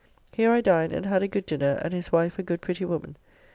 Here I dined and had a good dinner, and his wife a good pretty woman.